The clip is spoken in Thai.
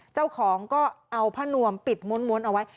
เจ้าของก็เอาผ้านวมปิดม้วนเอาไว้